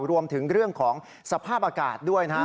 รวมถึงเรื่องของสภาพอากาศด้วยนะครับ